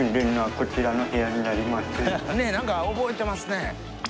ねえ何か覚えてますね。